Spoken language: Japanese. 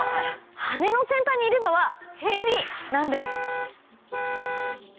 羽の先端にいるのはヘビなんです